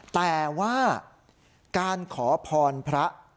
แต่ว่าการขอพรพระ